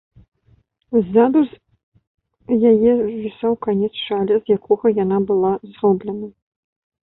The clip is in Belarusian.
Ззаду ж з яе звісаў канец шаля, з якога яна была зроблена.